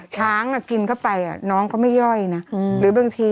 กินเข้าไปน้องก็ไม่ย่อยนะหรือบางที